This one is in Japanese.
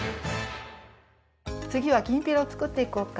つぎはきんぴらを作っていこうか。